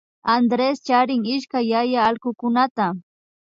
Andrés charin ishkay yaya allkukunata